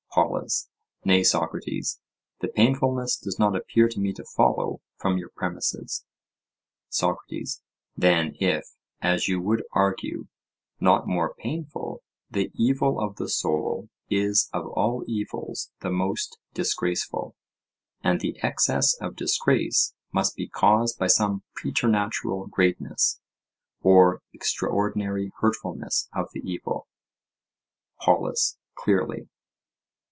POLUS: Nay, Socrates; the painfulness does not appear to me to follow from your premises. SOCRATES: Then, if, as you would argue, not more painful, the evil of the soul is of all evils the most disgraceful; and the excess of disgrace must be caused by some preternatural greatness, or extraordinary hurtfulness of the evil. POLUS: Clearly.